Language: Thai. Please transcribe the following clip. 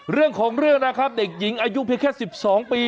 เรื่องของเรื่องนะครับเด็กหญิงอายุเพียงแค่๑๒ปี